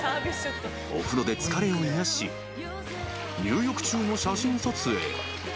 ［お風呂で疲れを癒やし入浴中も写真撮影］